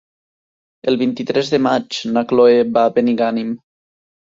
El vint-i-tres de maig na Cloè va a Benigànim.